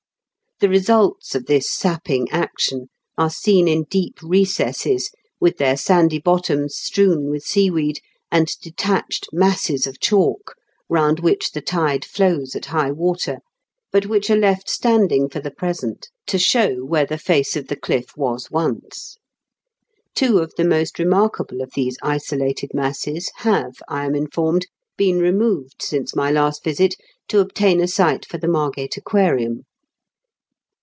The results of this sapping action are seen in deep recesses, with their sandy bottoms strewn with seaweed, and detached masses of chalk, round which the tide flows at high water, but which are left standing for the present to show where the 262 IN KENT WITH CHABLES DICKENS. face of the cliff was once. Two of the most reiaarkable of these isolated masses have, I am informed, been removed, since my last visit, to obtain a site for the Margate Aquarium.